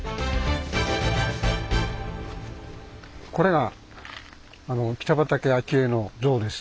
これが北畠顕家の像です。